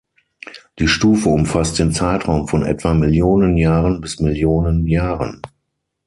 Die Stufe umfasst den Zeitraum von etwa Millionen Jahren bis Millionen Jahren.